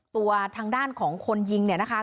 ตัวทางด้านของคนยิงเนี่ยนะคะ